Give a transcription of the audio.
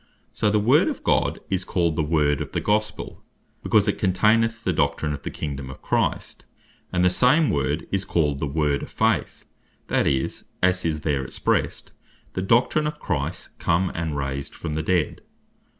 So (Acts 15.7.) the Word of God, is called the Word of the Gospel, because it containeth the Doctrine of the Kingdome of Christ; and the same Word (Rom. 10.8,9.) is called the Word of Faith; that is, as is there expressed, the Doctrine of Christ come, and raised from the dead.